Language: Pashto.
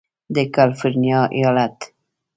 د کالفرنیا ایالت